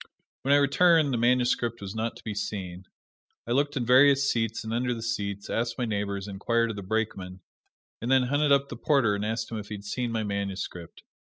When I returned the manuscript was not to be seen. I looked in various seats, and under the seats, asked my neighbors, inquired of the brakeman, and then hunted up the porter and asked him if he had seen my manuscript.